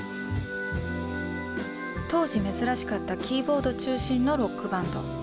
当時珍しかったキーボード中心のロックバンド。